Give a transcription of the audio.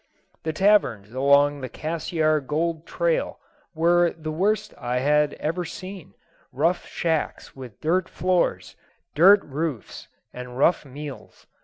The taverns along the Cassiar gold trail were the worst I had ever seen, rough shacks with dirt floors, dirt roofs, and rough meals.